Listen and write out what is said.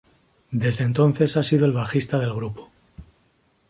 Desde entonces ha sido el bajista del grupo.